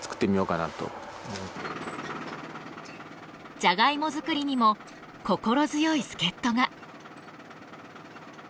ジャガイモ作りにも心強い助っ人が。